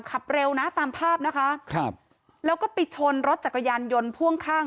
ขับเร็วนะตามภาพนะคะครับแล้วก็ไปชนรถจักรยานยนต์พ่วงข้าง